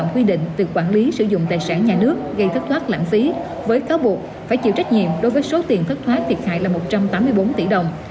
quy định về quản lý sử dụng tài sản nhà nước gây thất thoát lãng phí với cáo buộc phải chịu trách nhiệm đối với số tiền thất thoát thiệt hại là một trăm tám mươi bốn tỷ đồng